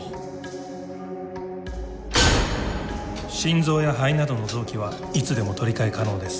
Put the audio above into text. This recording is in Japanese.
心臓や肺などの臓器はいつでも取り替え可能です。